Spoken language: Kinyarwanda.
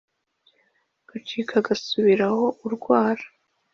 Gacika gasubiraho-Urwara.